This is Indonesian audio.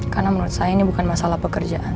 karena menurut saya ini bukan masalah pekerjaan